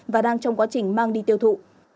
và đang trong quá trình mang đi tiêu thụ